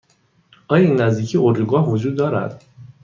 آیا این نزدیکی اردوگاه وجود دارد؟